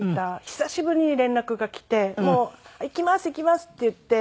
久しぶりに連絡が来て行きます行きますって言って。